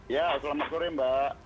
ya selamat sore mbak